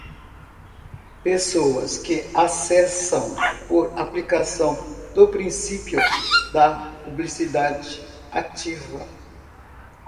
Pessoas que acessam por aplicação do princípio da publicidade ativa.